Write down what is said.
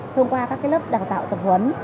thông qua các lớp đào tạo tập huấn